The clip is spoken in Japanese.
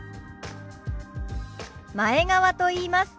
前川と言います。